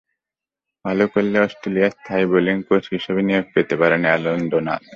ভালো করলে অস্ট্রেলিয়ার স্থায়ী বোলিং কোচ হিসেবে নিয়োগ পেতে পারেন অ্যালান ডোনাল্ড।